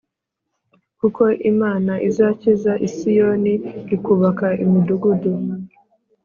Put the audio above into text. Kuko Imana izakiza i Siyoni Ikubaka imidugudu